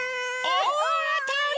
おおあたり！